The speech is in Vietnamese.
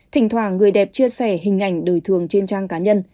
thỉnh thoả người đẹp chia sẻ hình ảnh đời thường trên trang cá nhân